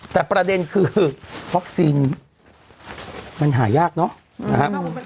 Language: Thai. แต่ประเด็นคือวัคซีนมันหายากเนาะนะครับ